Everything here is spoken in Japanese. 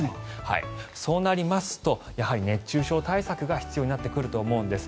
そうなりますとやはり熱中症対策が必要になってくると思うんです。